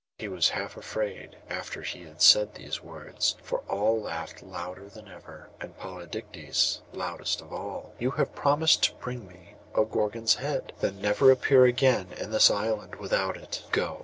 He was half afraid after he had said the words for all laughed louder than ever, and Polydectes loudest of all. 'You have promised to bring me the Gorgon's head? Then never appear again in this island without it. Go!